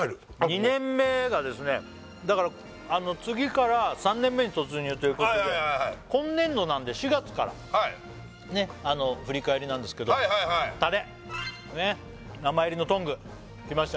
２年目がですねだから次から３年目に突入ということで今年度なんで４月から振り返りなんですけどタレ名前入りのトング来ましたね